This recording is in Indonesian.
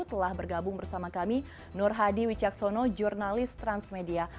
telah bergabung bersama kami nur hadi wicaksono jurnalis transmedia